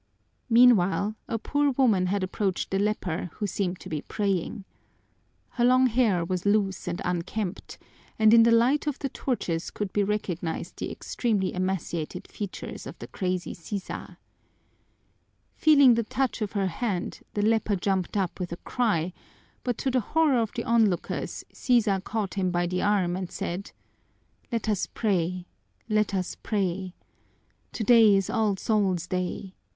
Meanwhile, a poor woman had approached the leper, who seemed to be praying. Her long hair was loose and unkempt, and in the light of the torches could be recognized the extremely emaciated features of the crazy Sisa. Feeling the touch of her hand, the leper jumped up with a cry, but to the horror of the onlooker's Sisa caught him by the arm and said: "Let us pray, let us pray! Today is All Souls' day!